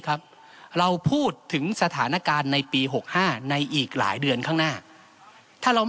ครับเราพูดถึงสถานการณ์ในปี๖๕ในอีกหลายเดือนข้างหน้าถ้าเรา